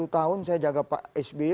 sepuluh tahun saya jaga pak sby